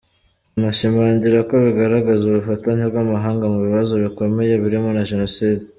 Anashimangira ko bigaragaza ubufatanye bw’amahanga mu bibazo bikomeye birimo na Jenoside.